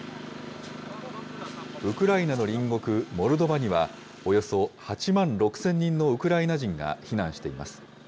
ウクライナの隣国モルドバには、およそ８万６０００人のウクライナ人が避難しています。